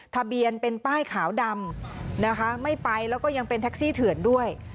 ทะเบียนเป็นป้ายขาวดำนะคะไม่ไปแล้วก็ยังเป็นแท็กซี่เถื่อนด้วย